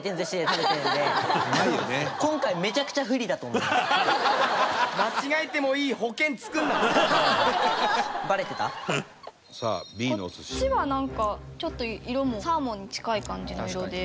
こっちはなんかちょっと色もサーモンに近い感じの色で。